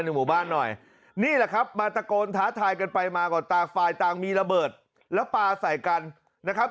นี่แหละครับมาตะโกนท้าทายกันไปมาก่อนต่างฝ่ายต่างมีระเบิดและปลาใส่กันนะครับ